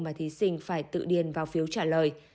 mà thí sinh phải tự điền vào phiếu trả lời